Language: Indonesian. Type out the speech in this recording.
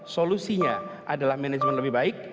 solusinya adalah manajemen lebih baik